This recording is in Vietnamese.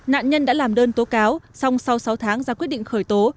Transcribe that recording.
nạn nhân đã làm đơn tố cáo xong sau sáu tháng ra quyết định khởi tố